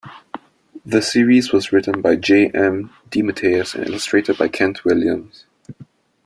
The series was written by J. M. DeMatteis and illustrated by Kent Williams.